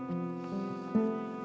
kenapa kamu berdua rama